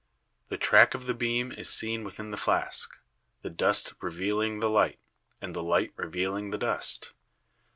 The track of the beam is seen within the flask — the dust revealing the light, and the light reveal ing the dust.